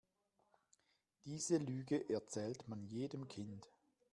Diese Lüge erzählt man jedem Kind.